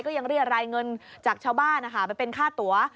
ยังเรียรายเงินจากชาวบ้านไปเป็นค่าตัว